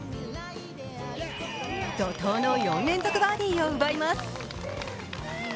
怒とうの４連続バーディーを奪います。